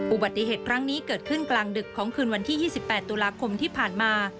อุบัติเหตุครั้งนี้เกิดขึ้นกลางดึกของคืนวันที่๒๘ตุลาคมที่ผ่านมา